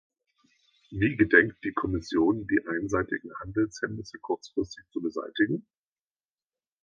Wie gedenkt die Kommission die einseitigen Handelshemmnisse kurzfristig zu beseitigen?